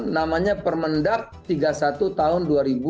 namanya permendak tiga puluh satu tahun dua ribu dua puluh